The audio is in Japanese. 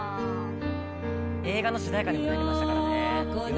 映画の主題歌にもなりましたからね。